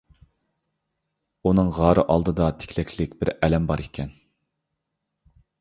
ئۇنىڭ غارى ئالدىدا تىكلەكلىك بىر ئەلەم بار ئىكەن.